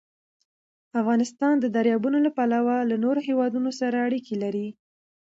افغانستان د دریابونه له پلوه له نورو هېوادونو سره اړیکې لري.